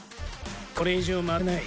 これ以上待てない。